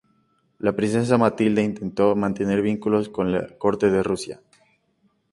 La princesa Matilde intentó mantener vínculos con la corte de Rusia.